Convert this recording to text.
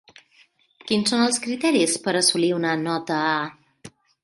Quins són els criteris per assolir una nota A?